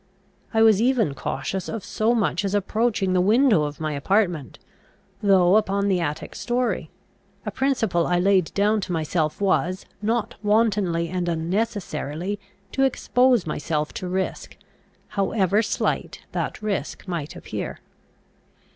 I was even cautious of so much as approaching the window of my apartment, though upon the attic story; a principle I laid down to myself was, not wantonly and unnecessarily to expose myself to risk, however slight that risk might appear.